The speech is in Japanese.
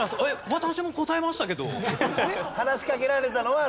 私も答えましたけど。